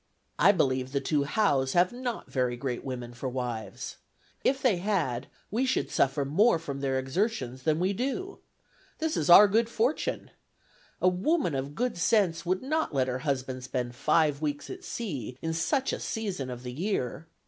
"I believe the two Howes have not very great women for wives. If they had, we should suffer more from their exertions than we do. This is our good fortune. A woman of good sense would not let her husband spend five weeks at sea in such a season of the year.